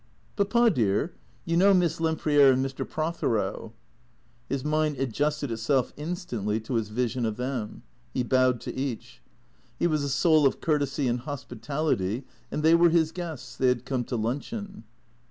" Papa, dear, you know Miss Lempriere and Mr. Prothero ?" His mind adjusted itself instantly to its vision of them. He bowed to each. He was the soul of courtesy and hospitality, and they were his guests; they had come to luncheon.